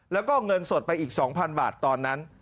แล้วก็เงินสดไปอีก๒๐๐๐บาทตอนนั้น